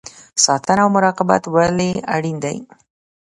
ساتنه او مراقبت ولې اړین دی؟